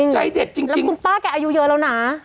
ใจเด็ดจริงคุณป้าแกอายุเยอะแล้วนะ